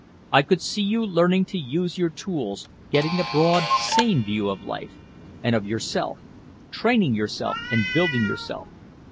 I could see you learning to use your tools, getting a broad, sane view of life and of yourself training yourself and building yourself.